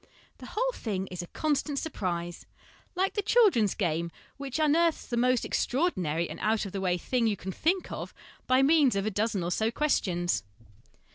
The whole thing is a constant surprise, like the children's game which unearths t 1 ie most extraordinary and out of the way thing you can think of by means of a dozen or so questions.